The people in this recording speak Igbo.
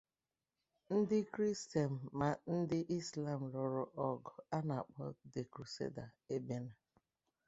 Ndi Christian ma ndi Islam luru ogu ana-kpo "the Crusades" ebe na.